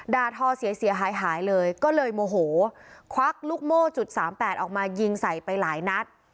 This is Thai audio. ทอเสียหายหายเลยก็เลยโมโหควักลูกโม่จุดสามแปดออกมายิงใส่ไปหลายนัด